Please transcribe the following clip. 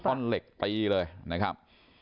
ท่อนเหล็กตีเลยนะครับ